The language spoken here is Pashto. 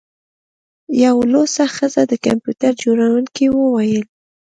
یوه لوڅه ښځه د کمپیوټر جوړونکي وویل